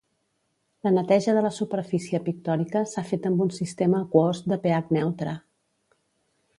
La neteja de la superfície pictòrica s'ha fet amb un sistema aquós de pH neutre.